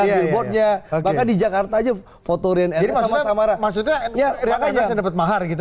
ya ya ya bahkan di jakarta aja foto ryan ernest sama samara maksudnya ria banget dapat mahar gitu